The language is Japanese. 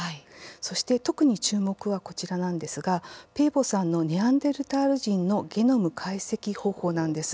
そして、特に注目はこちらなんですがペーボさんのネアンデルタール人のゲノム解析方法なんです。